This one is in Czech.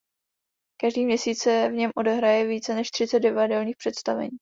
Každý měsíc se v něm odehraje více než třicet divadelních představení.